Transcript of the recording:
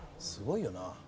すごいよな。